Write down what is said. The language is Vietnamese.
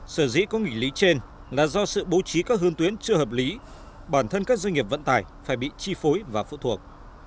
sở dĩ có nghị lý trên là do sự bố trí các hương tuyến chưa hợp lý bản thân các doanh nghiệp vận tải phải bị chi phối và phụ thuộc